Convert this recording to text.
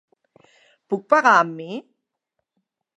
Puc pagar amb mi?